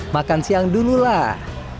makan siang dululah